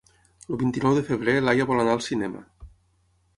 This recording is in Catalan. El vint-i-nou de febrer na Laia vol anar al cinema.